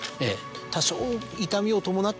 多少。